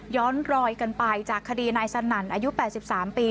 รอยกันไปจากคดีนายสนั่นอายุ๘๓ปี